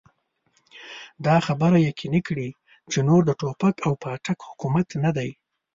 دا خبره يقيني کړي چې نور د ټوپک او پاټک حکومت نه دی.